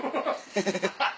ハハハハ。